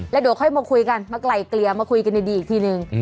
แล้วเดี๋ยวค่อยมาคุยกันมาไกลเกลี่ยมาคุยกันดีอีกทีนึง